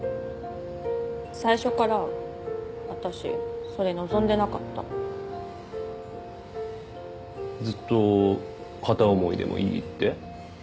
最初から私それ望んでなかったずっと片思いでもいいって？